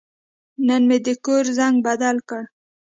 نن مې د کور زنګ بدل کړ.